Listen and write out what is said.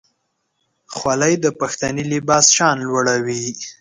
خولۍ د پښتني لباس شان لوړوي.